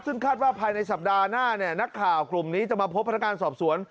ซึ่งคาดว่าภายในสัปดาห์หน้านักข่าวกลุ่มนี้จะมาพบพนักงานสอบสวน